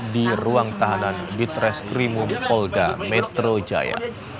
di ruang tahanan bitreskrimum polga metro jaya